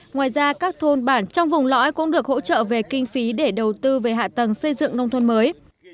ngoài ra các thôn bản trong vùng lõi cũng được hỗ trợ về kinh phí để đầu tư về hạ tầng xây dựng nông thôn mới